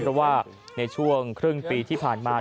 เพราะว่าในช่วงครึ่งปีที่ผ่านมา